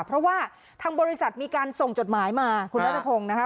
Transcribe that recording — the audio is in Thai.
เพราะว่าทางบริษัทมีการส่งจดหมายมาคุณนัทพงศ์นะคะ